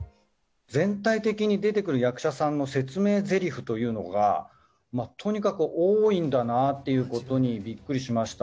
全体的に出てくる役者さんの説明ゼリフというのがとにかく多いんだなということにビックリしました。